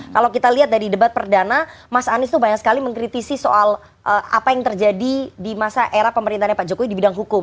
kalau kita lihat dari debat perdana mas anies tuh banyak sekali mengkritisi soal apa yang terjadi di masa era pemerintahnya pak jokowi di bidang hukum